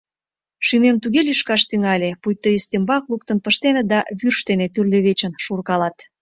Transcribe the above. Шӱмем туге лӱшкаш тӱҥале, пуйто ӱстембак луктын пыштеныт да вӱрж дене тӱрлӧ вечын шуркалат.